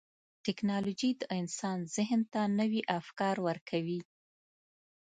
ټکنالوجي د انسان ذهن ته نوي افکار ورکوي.